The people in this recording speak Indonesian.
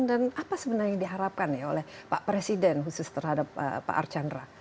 dan apa sebenarnya yang diharapkan oleh pak presiden khusus terhadap pak archandra